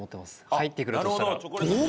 入ってくるとしたら。